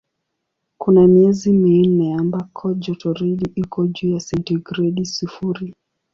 Kuna miezi minne ambako jotoridi iko juu ya sentigredi sifuri.